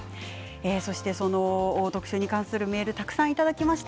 そして特集に関するメールをたくさんいただきました。